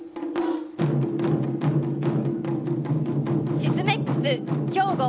シスメックス・兵庫。